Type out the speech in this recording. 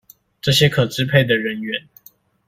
這些可支配的人員